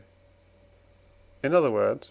in other words (IV.